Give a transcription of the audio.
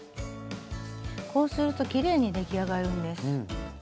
こうするときれいに出来上がるんです。